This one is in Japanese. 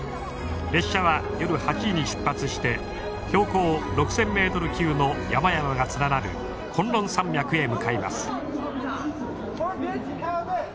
列車は夜８時に出発して標高６，０００ｍ級の山々が連なる崑崙山脈へ向かいます。